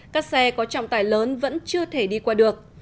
các xe có trọng tải lớn vẫn chưa thể đi qua được